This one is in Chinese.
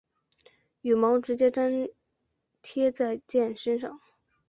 羽毛直接粘贴在箭身上。